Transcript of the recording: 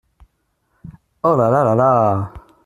Oh ! la-la ! la-la !